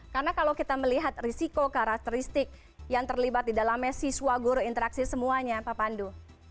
karena kalau kita melihat risiko karakteristik yang terlibat di dalamnya siswa guru interaksi semuanya pak pandu